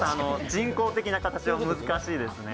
人工的な形は難しいですね。